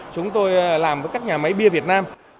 chúng tôi làm với các nhà máy bia việt nam